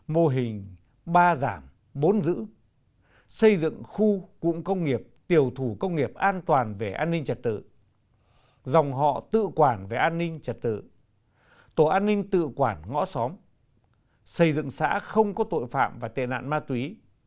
mô hình ba giảm bốn giữ xây dựng khu cụm công nghiệp tiều thủ công nghiệp an toàn về an ninh trật tự dòng họ tự quản về an ninh trật tự tổ an ninh tự quản ngõ xóm xây dựng xã không có tội phạm và tệ nạn ma túy